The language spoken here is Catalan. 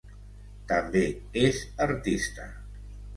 També és artista.